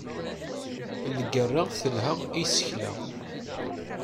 Lgerra telha i yisekla.